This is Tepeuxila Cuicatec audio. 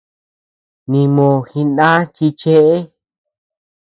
Nimo jidna chi cheʼe.